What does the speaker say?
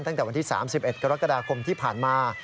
ตั้งแต่วันที่๓๑กรกฎาคมที่ผ่านมา